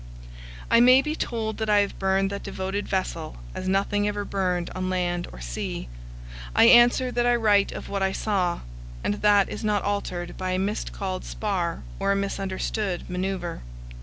I may be told that I have burned that devoted vessel as nothing ever burned on land or sea. I answer that I write of what I saw, and that is not altered by a miscalled spar or a misunderstood manouvre.